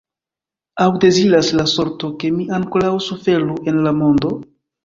Aŭ deziras la sorto, ke mi ankoraŭ suferu en la mondo?